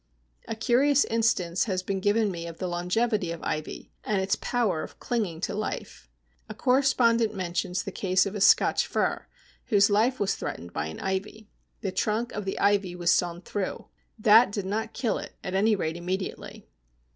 A curious instance has been given me of the longevity of ivy and its power of clinging to life. A correspondent mentions the case of a Scotch fir whose life was threatened by an ivy. The trunk of the ivy was sawn through. That did not kill it, at any rate immediately!